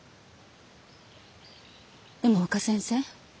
でも若先生。